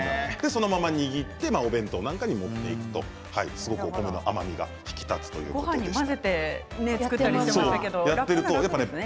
そのまま握ってお弁当なんかに持っていくとお米の甘みが際立つということです。